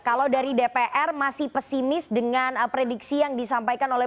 kalau dari dpr masih pesimis dengan prediksi yang disampaikan oleh